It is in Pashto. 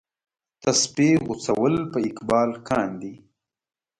تسپې غوڅول په اقبال کاندي.